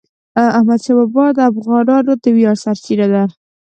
احمدشاه بابا د افغانانو د ویاړ سرچینه ده.